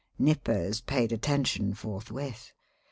Nippers "paid attention" forthwith.